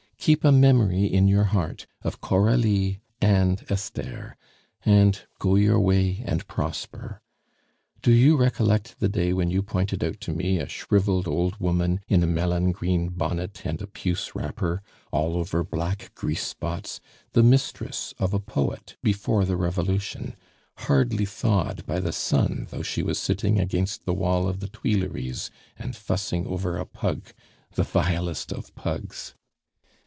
Keep a memory in your heart of Coralie and Esther, and go your way and prosper. Do you recollect the day when you pointed out to me a shriveled old woman, in a melon green bonnet and a puce wrapper, all over black grease spots, the mistress of a poet before the Revolution, hardly thawed by the sun though she was sitting against the wall of the Tuileries and fussing over a pug the vilest of pugs?